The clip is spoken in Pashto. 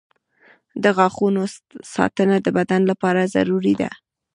• د غاښونو ساتنه د بدن لپاره ضروري ده.